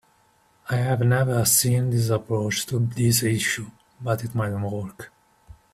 I have never seen this approach to this issue, but it might work.